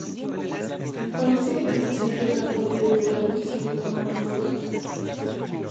Parece que casi siempre trató de evitar que se le tomaran fotos.